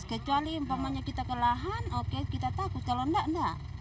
kecuali kita ke lahan kita takut kalau tidak tidak